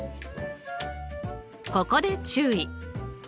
ここで注意！